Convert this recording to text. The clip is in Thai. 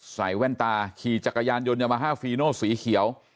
แว่นตาขี่จักรยานยนต์ยามาฮาฟีโนสีเขียว